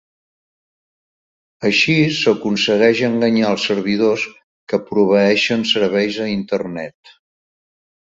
Així s'aconsegueix enganyar els servidors que proveeixen serveis a Internet.